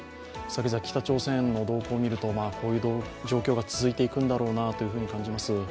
先々、北朝鮮の動向を見ていくとこうした状況が続いていくんだろうなと思います。